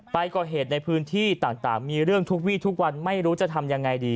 ไปก่อเหตุในพื้นที่ต่างมีเรื่องทุกวี่ทุกวันไม่รู้จะทำยังไงดี